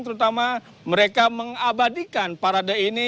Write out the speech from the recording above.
terutama mereka mengabadikan parade ini